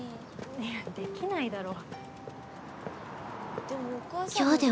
いやできないだろ。